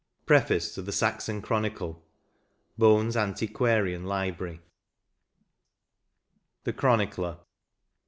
— Preface to the "Saxon Chronicle," Bohns Antiquarian Library, 41 XX. THE CHRONICLER.